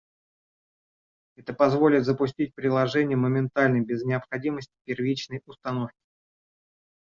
Это позволит запустить приложение моментально, без необходимости первичной установки